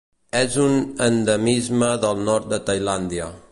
És un endemisme del nord de Tailàndia.